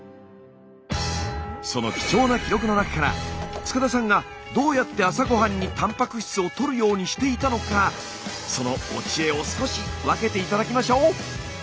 その貴重な記録の中から塚田さんがどうやって朝ごはんにたんぱく質をとるようにしていたのかそのお知恵を少し分けて頂きましょう！